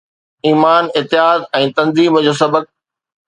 ايمان، اتحاد ۽ تنظيم جو سبق